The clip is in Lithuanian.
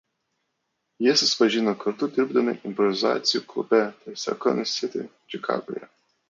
Jie susipažino kartu dirbdami improvizacijų klube „The Second City“ Čikagoje.